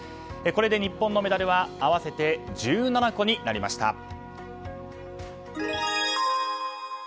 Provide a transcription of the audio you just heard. これで日本のメダルは合わせて１７個になりました。